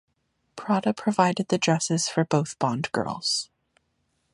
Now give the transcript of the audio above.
Prada provided the dresses for both Bond girls.